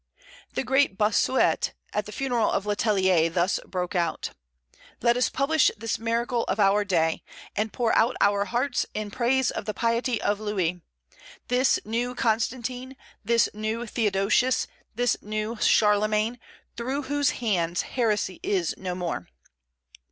The great Bossuet, at the funeral of Le Tellier, thus broke out: "Let us publish this miracle of our day, and pour out our hearts in praise of the piety of Louis, this new Constantine, this new Theodosius, this new Charlemagne, through whose hands heresy is no more."